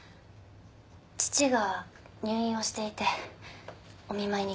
父が入院をしていてお見舞いに行っています。